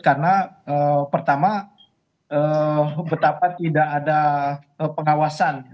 karena pertama betapa tidak ada pengawasan